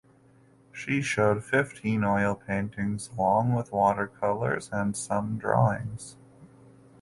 She showed fifteen oil paintings along with watercolors and some drawings.